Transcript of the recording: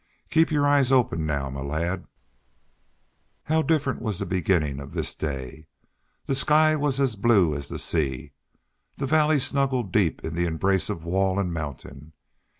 Keep your eyes open now, my lad." How different was the beginning of this day! The sky was as blue as the sea; the valley snuggled deep in the embrace of wall and mountain.